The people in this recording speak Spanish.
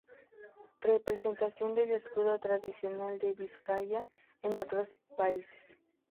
Representación del escudo tradicional de Vizcaya en otros países